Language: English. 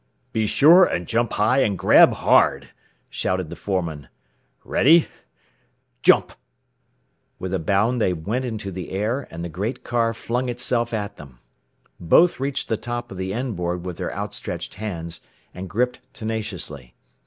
"Be sure and jump high and grab hard," shouted the foreman. "Ready! Jump!" With a bound they went into the air, and the great car flung itself at them. Both reached the top of the end board with their outstretched hands, and gripped tenaciously.